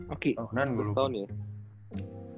oh beneran udah setahun ya